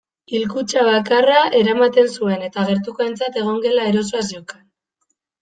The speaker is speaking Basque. Hilkutxa bakarra eramaten zuen eta gertukoentzat egongela erosoa zeukan.